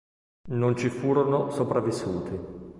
Non ci furono sopravvissuti.